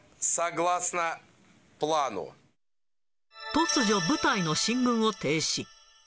突如、部隊の進軍を停止。